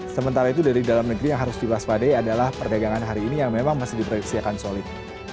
sementara itu dari dalam negeri yang harus dipaspa deh adalah perdagangan hari ini yang memang masih diproyeksikan solid